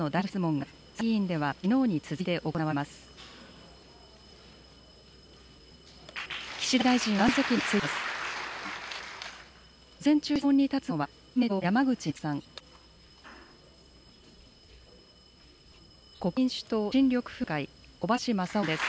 ではきのうに続いて行われます。